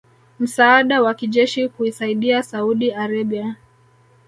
msaada wa kijeshi kuisaidia Saudi Arabia